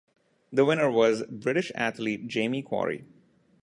The winner was British athlete Jamie Quarry.